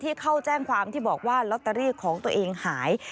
เข้าแจ้งความที่บอกว่าลอตเตอรี่ของตัวเองหาย